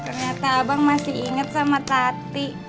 ternyata abang masih inget sama tati